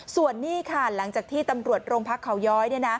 ส่วนนี้ค่ะหลังจากที่ตำรวจโรงพักเขาย้อย